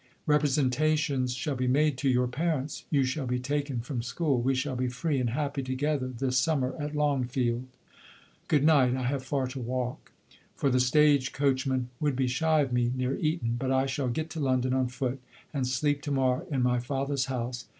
Representations shall be made to your parents ; you shall be taken from school : we shall be free and happy together this summer at Longfleld. Good night ; I have far to walk, LODORE. 81 for the stage coachmen would be shy of me near Eton ; but I shall get to London on foot, and sleep to morrow in my father's house.